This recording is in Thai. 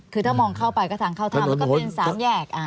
คือถ้ามองเข้าไปก็ทางเข้าถ้ำแล้วก็เป็น๓แยก